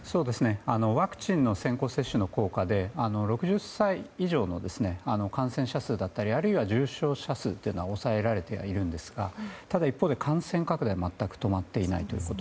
ワクチンの先行接種の効果で６０歳以上の感染者数やあるいは重症者数はある程度抑えられてはいるんですがただ、一方で感染拡大が全く止まっていないと。